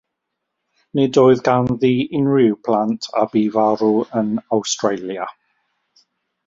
Nid oedd ganddi unrhyw blant a bu farw yn Awstralia.